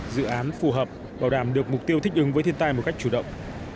dự án phù hợp bảo đảm được mục tiêu thích ứng với thiên tai một cách chủ động